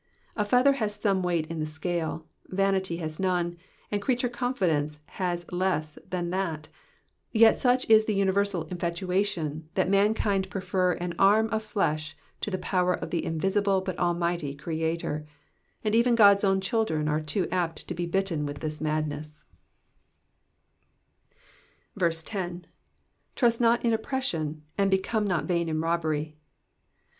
A feather has some weight in the scale, vanity has none, and creature confidence has less than that : yet such is the universal infatuation, that mankind prefer an arm of flesh to the power of the invisible but almighty Creator ; and even God's own children are too apt to be bitten with this madness. 10. 2Vw«i not in of^pression, and become not vain in robbery.''